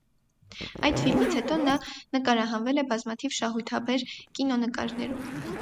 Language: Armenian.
Այդ ֆիլմից հետո նա նկարահանվել է բազմաթիվ շահութաբեր կինոնկարներում։